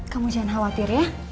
kamu jangan khawatir ya